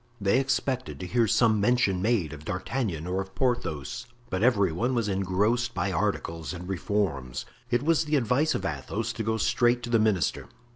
They expected to hear some mention made of D'Artagnan or of Porthos, but every one was engrossed by articles and reforms. It was the advice of Athos to go straight to the minister.